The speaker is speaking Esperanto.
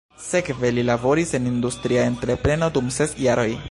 Sekve li laboris en industria entrepreno dum ses jaroj.